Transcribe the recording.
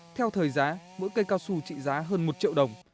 theo thời giá mỗi cây cao su trị giá hơn một triệu đồng